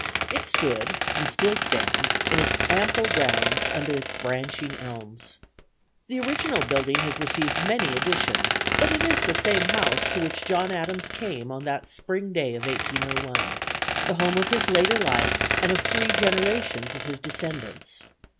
It stood, and still stands, in its ample grounds, under its branching elms. The original building has received many additions, but it is the same house to which John Adams came on that spring day of 1801; the home of his later life, and of three generations of his descendants.